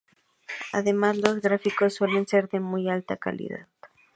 Además los gráficos suelen ser de muy alta calidad.